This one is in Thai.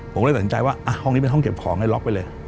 ผมเลยตัดสินใจว่าห้องนี้เป็นห้องเก็บของให้ล็อกไปเลย